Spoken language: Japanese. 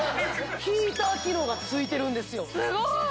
ヒーター機能がついてるんですよすごい！